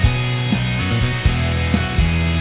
untuk cinta yang selalu sakit